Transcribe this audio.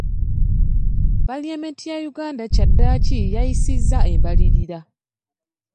Palamenti ya Uganda kyaddaaki yayisizza embalirira.